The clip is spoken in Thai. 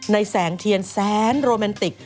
แสงเทียนแสนโรแมนติก